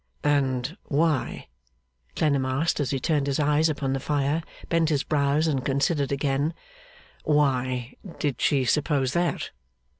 And why, Clennam asked, as he turned his eyes upon the fire, bent his brows, and considered again; why did she suppose that?